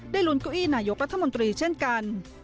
ลุ้นเก้าอี้นายกรัฐมนตรีเช่นกัน